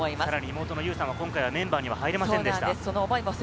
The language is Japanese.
妹の結さんは今回メンバーに入りませんでした。